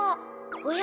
おや？